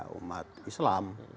untuk membuat perda